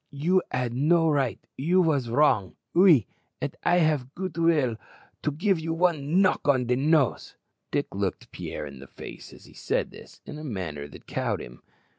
"You had no right, you vas wrong. Oui, et I have goot vill to give you one knock on de nose." Dick looked Pierre in the face, as he said this, in a manner that cowed him.